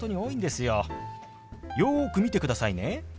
よく見てくださいね。